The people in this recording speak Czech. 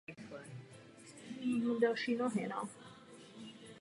Listy těchto palem jsou domorodci místně hojně využívány jako výborná krytina na střechy.